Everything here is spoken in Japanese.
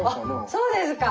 そうですか。